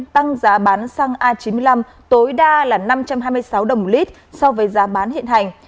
tăng giá bán xăng a chín mươi năm tối đa là năm trăm hai mươi sáu đồng một lít so với giá bán hiện hành